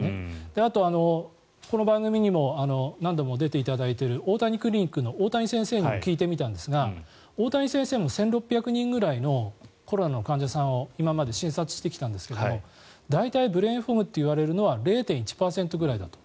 あと、この番組にも何度も出ていただいている大谷クリニックの大谷先生に聞いてみたんですが大谷先生も１６００人ぐらいのコロナの患者さんを今まで診察してきたんですが大体ブレインフォグと呼ばれるのは０．１％くらいだと。